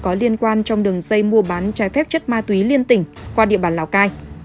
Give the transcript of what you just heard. có liên quan trong đường dây mua bán trái phép chất ma túy liên tỉnh qua địa bàn lào cai